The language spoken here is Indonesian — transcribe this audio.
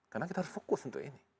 karena kita harus fokus untuk ini